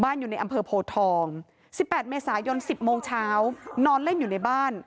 อยู่ในอำเภอโพทอง๑๘เมษายน๑๐โมงเช้านอนเล่นอยู่ในบ้าน